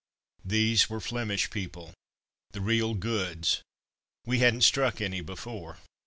These were Flemish people the real goods; we hadn't struck any before.